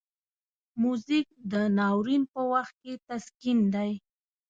موزیک د ناورین په وخت کې تسکین دی.